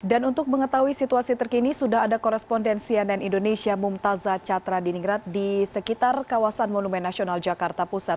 dan untuk mengetahui situasi terkini sudah ada korespondensi cnn indonesia mumtazah catra di ningrat di sekitar kawasan monumen nasional jakarta pusat